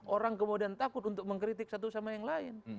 orang kemudian takut untuk mengkritik satu sama yang lain